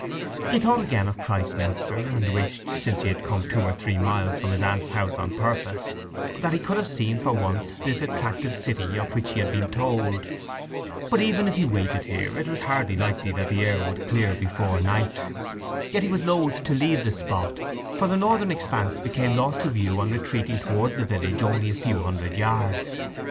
He thought again of Christminster, and wished, since he had come two or three miles from his aunt's house on purpose, that he could have seen for once this attractive city of which he had been told. But even if he waited here it was hardly likely that the air would clear before night. Yet he was loth to leave the spot, for the northern expanse became lost to view on retreating towards the village only a few hundred yards.